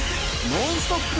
ノンストップ！